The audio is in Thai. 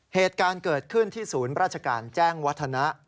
เหตุการณ์เกิดขึ้นที่ศูนย์ราชการแจ้งวัฒนะ